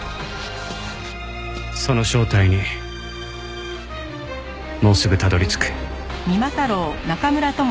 その正体にもうすぐたどり着く。